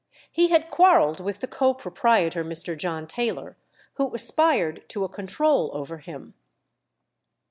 He had quarrelled with the co proprietor, Mr. John Taylor, who aspired to a control over him.